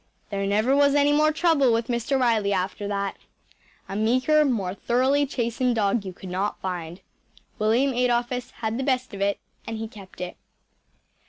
There never was any more trouble with Mr. Riley after that. A meeker, more thoroughly chastened dog you could not find. William Adolphus had the best of it and he kept it.